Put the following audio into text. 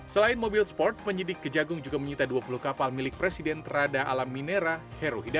selain mobil sport penyidik kejagung juga menyita dua puluh kapal milik presiden terada alam minera heru hidayat